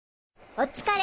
お疲れ！